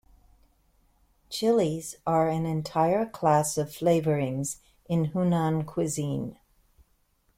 Chilies are an entire class of flavourings in Hunan cuisine.